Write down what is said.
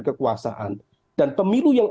kekuasaan dan pemilu yang